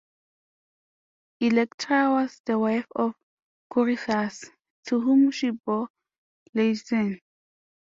Electra was the wife of Corythus, to whom she bore Iasion.